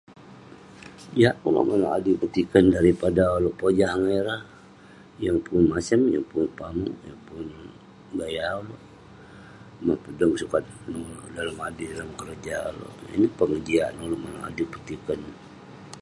Jiak peh ulouk manouk adui petikern daripada ulouk pojah ngan ireh..yeng pun masem, yeng pun pamuk, yeng pun...gaya ulouk..mah peh deng sukat dalem adui, dalem keroja ulouk..ineh pengejiak neh ulouk manouk adui petikern..